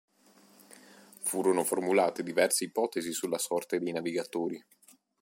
Furono formulate diverse ipotesi sulla sorte dei navigatori.